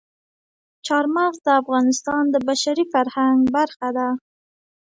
چار مغز د افغانستان د بشري فرهنګ برخه ده.